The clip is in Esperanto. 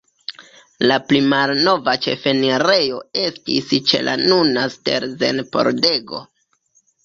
La pli malnova ĉefenirejo estis ĉe la nuna Stelzen-pordego.